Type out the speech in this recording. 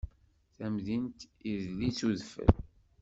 Tamdint idel-itt udfel.